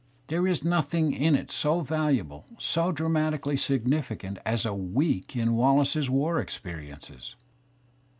There is nothing in it so valu / able, so dramatically significant as a week in Wallace's war ^ experiences.